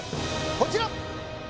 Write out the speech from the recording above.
こちら！